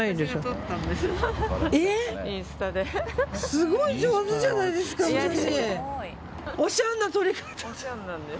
すごい上手じゃないですかお写真。